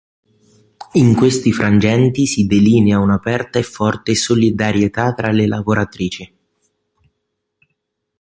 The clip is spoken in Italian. In questi frangenti si delinea una aperta e forte solidarietà tra le lavoratrici.